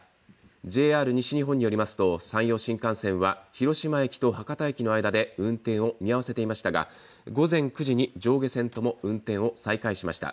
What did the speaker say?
ＪＲ西日本によりますと山陽新幹線は広島駅と博多駅の間で運転を見合わせていましたが午前９時に上下線とも運転を再開しました。